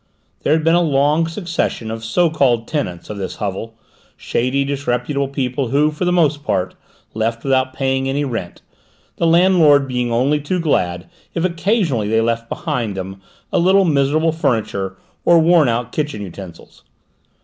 There had been a long succession of so called tenants of this hovel, shady, disreputable people who, for the most part, left without paying any rent, the landlord being only too glad if occasionally they left behind them a little miserable furniture or worn out kitchen utensils.